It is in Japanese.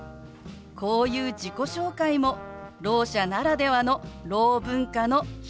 こういう自己紹介もろう者ならではのろう文化の一つなんです。